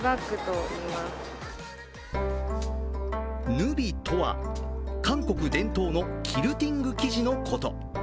ヌビとは、韓国伝統のキルティング生地のこと。